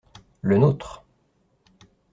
Le nôtre.